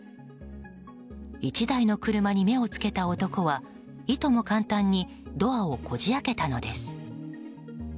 １台の車に目をつけた男はいとも簡単にドアをこじ開けたのです。